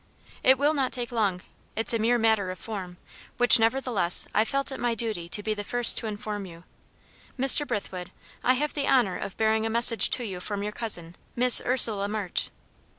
"It will not take long. It is a mere matter of form, which nevertheless I felt it my duty to be the first to inform you. Mr. Brithwood, I have the honour of bearing a message to you from your cousin Miss Ursula March."